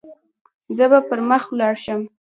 زه به پر مخ ولاړ شم.